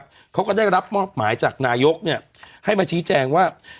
แล้วเขาก็ได้รับมอบหมายจากนายกให้มาชี้แจงว่า